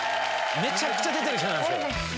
めちゃくちゃ出てる人なんですよ。